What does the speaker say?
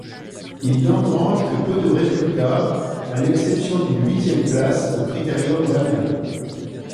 Il n'engrange que peu de résultats à l'exception d'une huitième place au critérium d'Amiens.